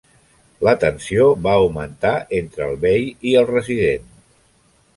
La tensió va augmentar entre el bei i el resident.